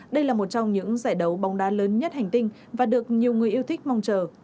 đây là một trong những giải đấu bóng đá lớn nhất hành tinh và được nhiều người yêu thích mong chờ